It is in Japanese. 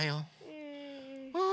うん。